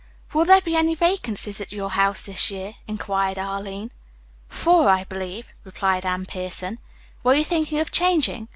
"Will there be any vacancies at your house this year?" inquired Arline. "Four, I believe," replied Anne Pierson. "Were you thinking of changing?